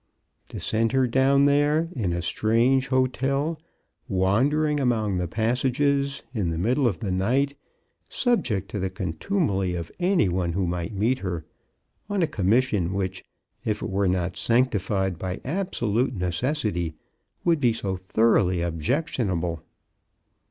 To send her down there, in a strange hotel, wandering among the passages, in the middle of the night, subject to the contumely of any one who might meet her, on a commis sion which, if it were not sanctified by abso lute necessity, would be so thoroughly objec tionable